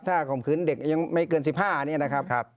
ถ้าข่มขืนเด็กยังไม่เกิน๑๕นี่นะครับ